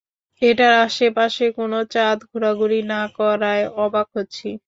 এটার আশে পাশে কোনো চাঁদ ঘোরাঘুরি না করায় অবাক হচ্ছি।